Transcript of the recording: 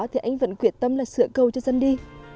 thì anh vẫn quyết tâm là sửa cầu cho dân đi